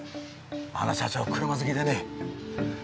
あの社長車好きでね。